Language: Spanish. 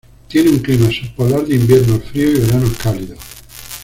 Tiene un clima subpolar de inviernos fríos y veranos cálidos.